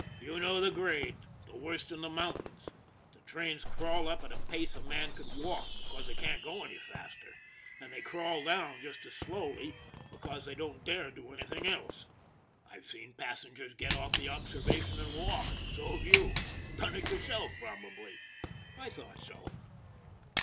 You know the grade the worst in the mountains. The trains crawl up at the pace a man could walk, be cause they can't go any faster; and they crawl down just as slowly, because they don't dare do anything else. I've seen the passengers get off the observation and walk so have you. Done it yourself probably? I thought so.